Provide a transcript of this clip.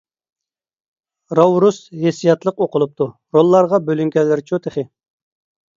راۋرۇس ھېسسىياتلىق ئوقۇلۇپتۇ. روللارغا بۆلۈنگەنلىرىچۇ تېخى!